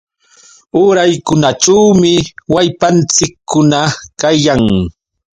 Uraykunaćhuumi wallpanchikkuna kayan.